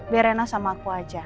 biar rena sama aku aja